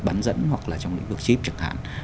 bán dẫn hoặc là trong lĩnh vực chip chẳng hạn